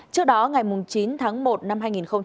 trước đó ngày chín tháng một năm hai nghìn hai mươi